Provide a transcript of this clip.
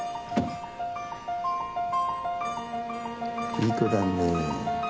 いい子だね。